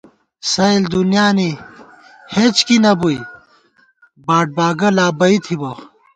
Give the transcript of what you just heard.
سَئیل دُنیانی ہېچکی نہ بُوئی ، باٹباگہ لا بئ تھِبہ